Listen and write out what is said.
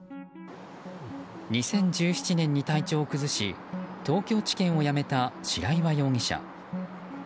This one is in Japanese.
２０１７年に体調を崩し東京地検を辞めた白岩容疑者。